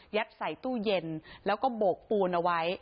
ใส่ตู้เย็นแล้วก็โบกปูนเอาไว้